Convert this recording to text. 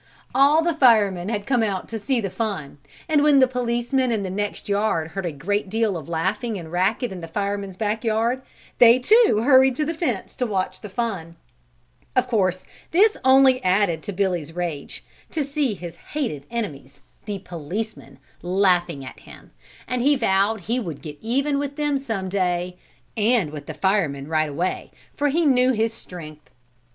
] All the firemen had come out to see the fun and when the policemen in the next yard heard a great deal of laughing and racket in the fireman's back yard, they too hurried to the fence and watched the fun. Of course, this only added to Billy's rage, to see his hated enemies, the policemen, laughing at him, and he vowed he would get even with them some day, and with the firemen right away, for he knew his strength.